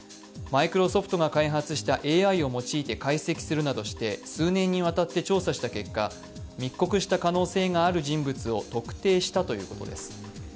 マイクロソフトが開発したＡＩを用いて解析するなどして数年にわたって調査した結果、密告した可能性がある人物を特定したということです。